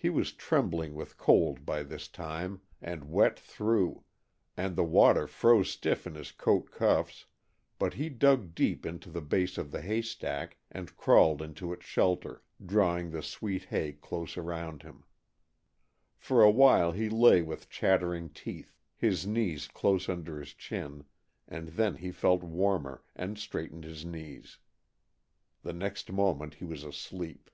He was trembling with cold by this time, and wet through, and the water froze stiff in his coat cuffs, but he dug deep into the base of the haystack and crawled into its shelter, drawing the sweet hay close around him. For awhile he lay with chattering teeth, his knees close under his chin, and then he felt warmer, and straightened his knees. The next moment he was asleep.